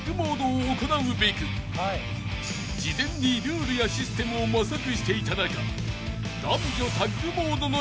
［事前にルールやシステムを模索していた中］